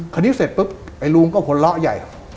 คันนี้เสร็จปุ๊บไอ้ลุงก็โหละใหญ่